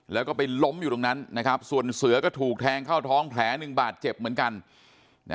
แล้วก็ไปล้มอยู่ตรงนั้นนะครับส่วนเสือก็ถูกแทงเข้าท้องแผลหนึ่งบาดเจ็บเหมือนกัน